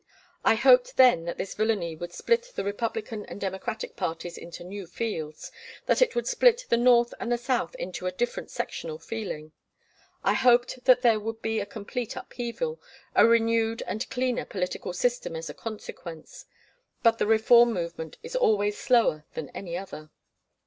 I hoped then that this villainy would split the Republican and Democratic parties into new fields, that it would spilt the North and the South into a different sectional feeling. I hoped that there would be a complete upheaval, a renewed and cleaner political system as a consequence. But the reform movement is always slower than any other.